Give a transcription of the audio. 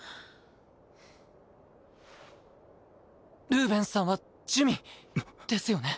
ルーベンスさんは珠魅ですよね？